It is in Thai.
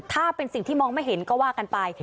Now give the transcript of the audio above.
ถ้าเป็นสิ่งที่มองไม่เห็นก็ว่ากันไป